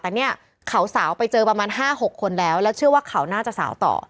แต่เนี่ยเขาสาวไปเจอประมาณ๕๖คนแล้วแล้วเชื่อว่าเขาน่าจะสาวต่อ